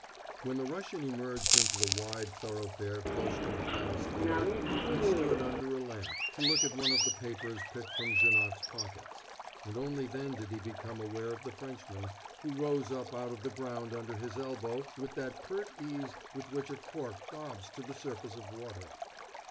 When the Russian emerged into the wide thoroughfare close to the Palace Theater, he stood under a lamp to look at one of the papers picked from Janoc's pockets; and only then did he become aware of the Frenchman, who rose up out of the ground under his elbow with that pert ease with which a cork bobs to the surface of water.